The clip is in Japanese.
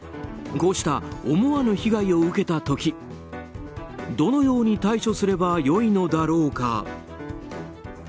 こうした思わぬ被害を受けた時どのように対処すればよいのだろうか？